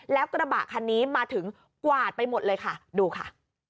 แล้วกระบะคันนี้มาถึงกวาดไปหมดเลยค่ะดูค่ะ